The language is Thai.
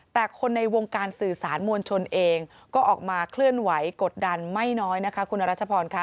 แต่คนในวงการสื่อสารมวลชนเองก็ออกมาเคลื่อนไหวกดดันไม่น้อยนะคะคุณรัชพรค่ะ